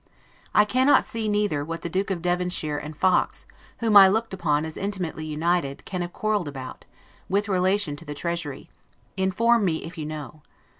I cannot see, neither, what the Duke of Devonshire and Fox, whom I looked upon as intimately united, can have quarreled about, with relation to the Treasury; inform me, if you know.